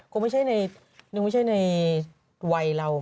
ก็ไม่ใช่ในวัยเรา